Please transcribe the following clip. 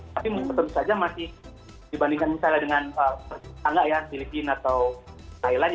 tapi tentu saja masih dibandingkan misalnya dengan ah enggak ya filipina atau lain